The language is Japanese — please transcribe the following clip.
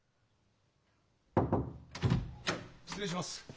失礼します。